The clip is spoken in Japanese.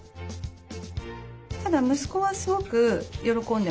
ただ息子はすごく喜んでます。